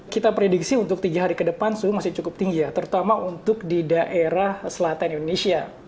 kita prediksi untuk tiga hari ke depan suhu masih cukup tinggi ya terutama untuk di daerah selatan indonesia